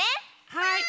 はい。